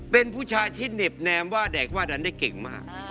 เป็นผู้ชายที่เหน็บแนมว่าแดกว่านั้นได้เก่งมาก